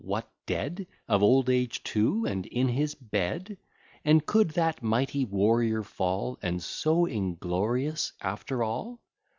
what, dead! Of old age too, and in his bed! And could that mighty warrior fall, And so inglorious, after all?